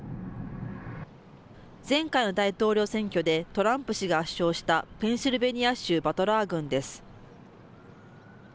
前回の大統領選挙でトランプ氏が圧勝したペンシルベニア州バトラー郡です。